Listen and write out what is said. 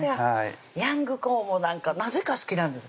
ヤングコーンもなんかなぜか好きなんです